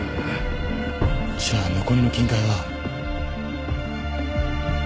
じゃあ残りの金塊は？